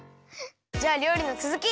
じゃありょうりのつづき！